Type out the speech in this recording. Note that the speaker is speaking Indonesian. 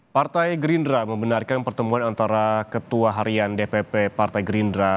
partai gerindra membenarkan pertemuan antara ketua harian dpp partai gerindra